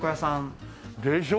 でしょ？